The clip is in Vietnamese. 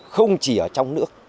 không chỉ ở trong nước